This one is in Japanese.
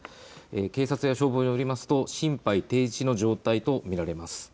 警察や消防によりますと心肺停止の状態と見られます。